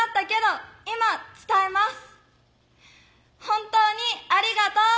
本当にありがとう！